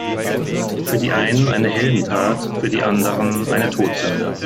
Für die einen eine Heldentat, für die anderen ein Todsünde.